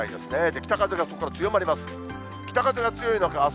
北風が強まります。